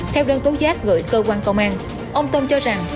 theo đơn tố giác gửi cơ quan công an ông tâm cho rằng